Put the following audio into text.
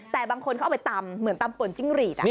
แต่บางคนเขาเอาไปตำเหมือนตำป่นจิ้งหรีด